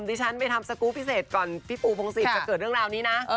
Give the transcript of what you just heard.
ดิฉันไปทำสกูลพิเศษก่อนพี่ปูพงศิษย์จะเกิดเรื่องราวนี้นะ